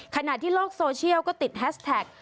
ขณะที่โลกโซเชียลก็ติดแฮชแท็ก